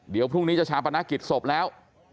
เดี๋ยวพรุ่งนี้จะชาปนกิจศพแล้ว